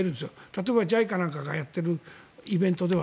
例えばＪＩＣＡなんかがやっているイベントでは。